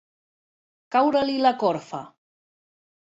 Caure-li la corfa.